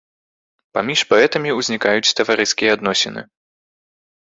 Паміж паэтамі узнікаюць таварыскія адносіны.